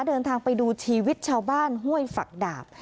เดินทางไปดูชีวิตชาวบ้านห้วยฝักดาบ